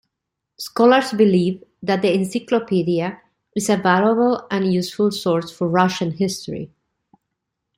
Scholars believe that the Encyclopedia is a valuable and useful source for Russian history.